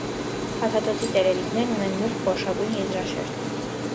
Փաթաթոցի տերևիկներն ունեն մուգ գորշագույն եզրաշերտ։